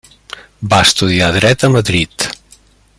Va estudiar dret a Madrid.